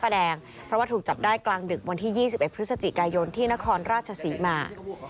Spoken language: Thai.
เพราะว่าถูกจับได้กลางดึกวันที่ยี่สิบเอ็ดพฤศจิกายนที่นครราชสินต์มา